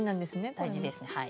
大事ですねはい。